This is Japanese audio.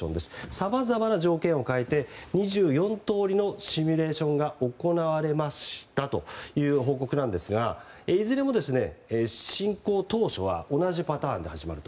さまざまな条件を変えて２４とおりのシミュレーションが行われましたという報告なんですがいずれも侵攻当初は同じパターンで始まると。